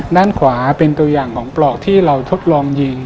ด้านขวาเป็นตัวอย่างของปลอกที่เราทดลองยิง